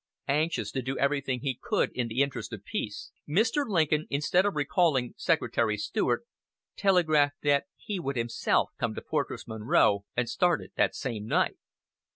Anxious to do everything he could in the interest of peace, Mr. Lincoln, instead of recalling Secretary Seward, telegraphed that he would himself come to Fortress Monroe, and started that same night.